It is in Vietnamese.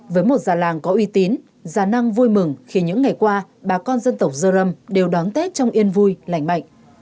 với một già làng có uy tín giả năng vui mừng khi những ngày qua bà con dân tộc dơ râm đều đón tết trong yên vui lành mạnh